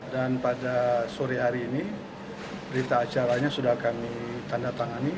dan pada sore hari ini berita acaranya sudah kami tanda tangani